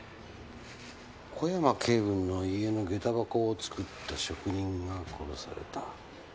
小山警部の家の下駄箱を作った職人が殺された。